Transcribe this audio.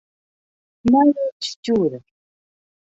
Nije stjoerder.